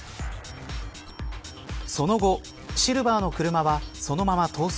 その後、シルバーの車はそのまま逃走。